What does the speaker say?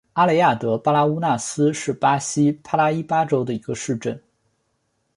阿雷亚德巴拉乌纳斯是巴西帕拉伊巴州的一个市镇。